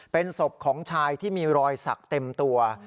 เป็นศพของชายที่มีรอยสักเต็มตัว